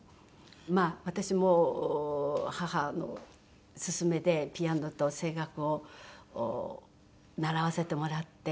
私も母の勧めでピアノと声楽を習わせてもらって。